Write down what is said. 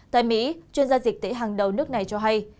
tại mỹ chuyên gia dịch tễ hàng đầu nước này cho hay